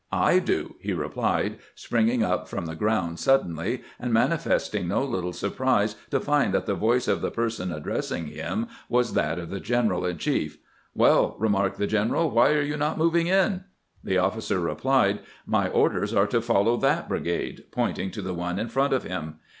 " "I do," he replied, springing up from the ground suddenly, and manifesting no little surprise to find that the voice of the person addressing him was that of the general in chief ." Well," remarked the gen eral, " why are you not moving in ?" The officer replied, "My orders are to follow that brigade," pointing to the one in front of him.